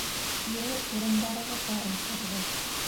Кире урындарығыҙға ултырығыҙ.